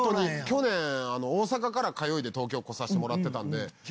去年大阪から通いで東京来させてもらってたんで１８０